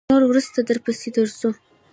نور وروسته درپسې درځو.